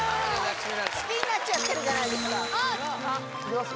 好きになっちゃってるじゃないですかいけます？